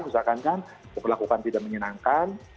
misalkan kan diperlakukan tidak menyenangkan